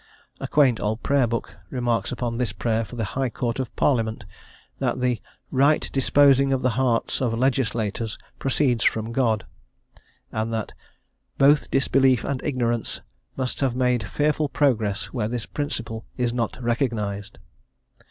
A quaint old Prayer Book remarks upon this prayer for the High Court of Parliament, that the "right disposing of the hearts of legislators proceeds from God," and that "both disbelief and ignorance must have made fearful progress where this principle is not recognised."